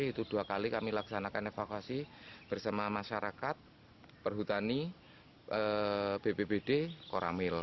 itu dua kali kami laksanakan evakuasi bersama masyarakat perhutani bbbd koramil